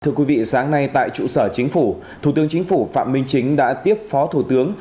thưa quý vị sáng nay tại trụ sở chính phủ thủ tướng chính phủ phạm minh chính đã tiếp phó thủ tướng